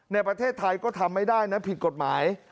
ในประเทศไทยก็ทำไม่ได้นะผิดกฎหมาย